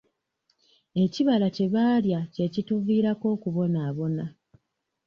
Ekibala kye baalya kye kituviirako okubonaabona.